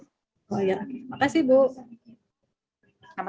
oh ya makasih bu